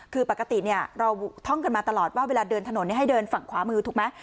คือปกติเราท่องกันมาตลอดว่าเวลาเดินถนนให้เดินฝั่งขวามือถูกไหม